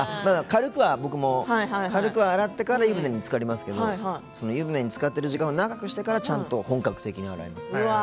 軽くは僕も洗ってから湯船につかりますけど湯船につかってる時間を長くしてからちゃんと本格的に洗います。